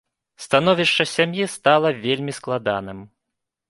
Становішча сям'і стала вельмі складаным.